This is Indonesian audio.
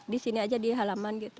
di sini aja di halaman gitu